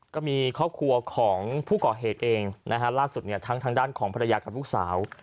ก็มีครอบครัวของผู้ก่อเหตุเองล่าสุดทั้งด้านของภรรยากับลูกสาว